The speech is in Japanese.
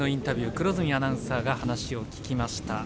黒住アナウンサーが話を聞きました。